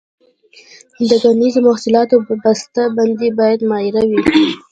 د کرنیزو محصولاتو بسته بندي باید معیاري وي.